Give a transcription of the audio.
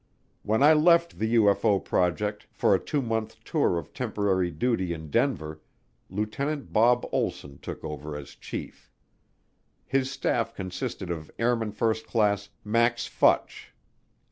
When I left the UFO project for a two month tour of temporary duty in Denver, Lieutenant Bob Olsson took over as chief. His staff consisted of Airman First Class Max Futch.